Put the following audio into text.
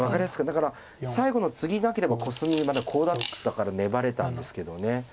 だから最後のツギなければコスミまだコウだったから粘れたんですけど。